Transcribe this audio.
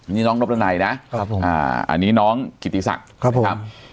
นี่น้องนบดาไนนะครับครับผมอ่านี่น้องกิติศักดิ์นะครับครับผม